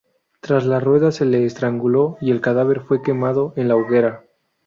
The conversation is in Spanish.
Tras la rueda, se le estranguló y el cadáver fue quemado en la hoguera.